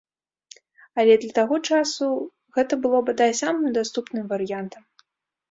Але для таго часу гэта было, бадай, самым даступным варыянтам.